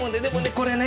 これね